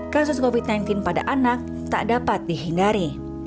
kasus covid sembilan belas pada anak tak dapat dihindari